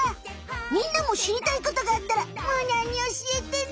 みんなもしりたいことがあったらむーにゃんにおしえてね！